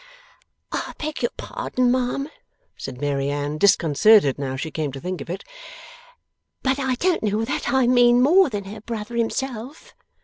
'I beg your pardon, ma'am,' said Mary Anne, disconcerted now she came to think of it; 'but I don't know that I mean more than her brother himself.